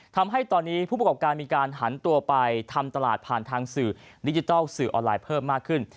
ทำให้ตอนนี้ผู้ประกอบการมีการหันตัวไปทำตลาดผ่านทางสื่อดิจิทัลสื่อออนไลน์เพิ่มมากขึ้น